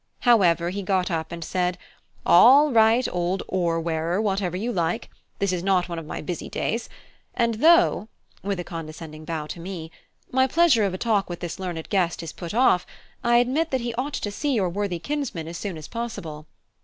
However, he got up and said, "All right, old oar wearer, whatever you like; this is not one of my busy days; and though" (with a condescending bow to me) "my pleasure of a talk with this learned guest is put off, I admit that he ought to see your worthy kinsman as soon as possible.